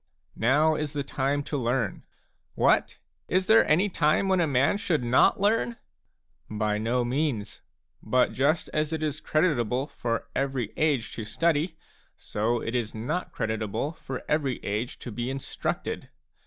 Now is the time to learn. " What ? Is there any time when a man should not learn ?" By no means ; but just as it is creditable for every age to studyj so it is not creditable for every age to be instructed.